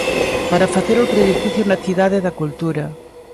Para facer outro edificio na Cidade da Cultura.